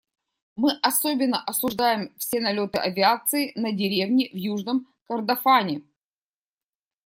Мы особенно осуждаем все налеты авиации на деревни в Южном Кордофане.